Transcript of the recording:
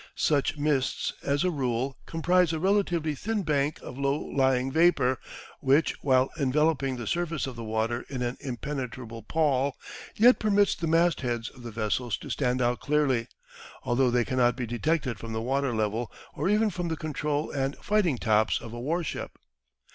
Such mists as a rule comprise a relatively thin bank of low lying vapour, which while enveloping the surface of the water in an impenetrable pall, yet permits the mast heads of the vessels to stand out clearly, although they cannot be detected from the water level or even from the control and fighting tops of a warship.